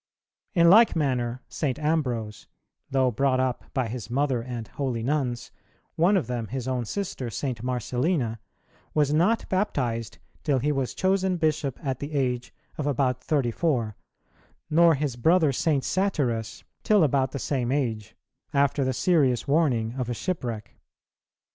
In like manner, St. Ambrose, though brought up by his mother and holy nuns, one of them his own sister St. Marcellina, was not baptized till he was chosen bishop at the age of about thirty four, nor his brother St. Satyrus till about the same age, after the serious warning of a shipwreck.